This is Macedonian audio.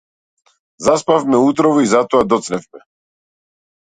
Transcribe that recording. Заспавме утрово и затоа доцневме.